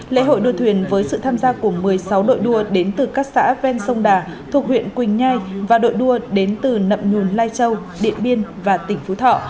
lễ hội đua thuyền với sự tham gia của một mươi sáu đội đua đến từ các xã ven sông đà thuộc huyện quỳnh nhai và đội đua đến từ nậm nhùn lai châu điện biên và tỉnh phú thọ